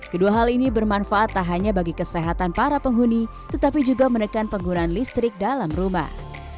kedua hal ini bermanfaat tak hanya bagi kesehatan para penghuni tetapi juga menekan penggunaan listrik dalam rumah